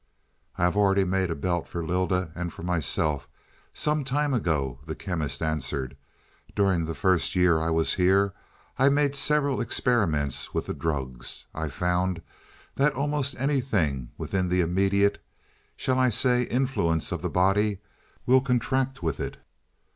"I have already made a belt for Lylda and for myself some time ago," the Chemist answered. "During the first year I was here I made several experiments with the drugs. I found that almost anything within the immediate shall I say influence of the body, will contract with it.